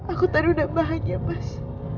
aku tari udah bahagia mas